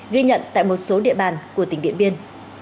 ghi nhận tại một số địa bàn của tỉnh điện biên